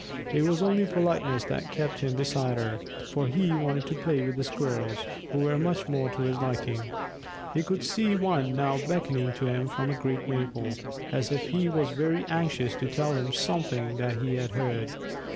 It was only politeness that kept him beside her, for he wanted to play with the Squirrels, who were much more to his liking. He could see one now beckoning to him from a great maple, as if he was very anxious to tell him something that he had heard.